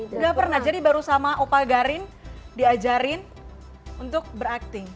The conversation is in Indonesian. tidak pernah jadi baru sama opa garin diajarin untuk beracting